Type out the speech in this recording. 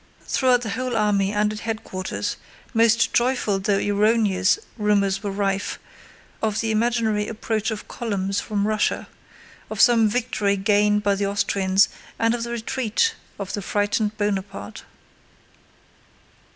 Throughout the whole army and at headquarters most joyful though erroneous rumors were rife of the imaginary approach of columns from Russia, of some victory gained by the Austrians, and of the retreat of the frightened Bonaparte.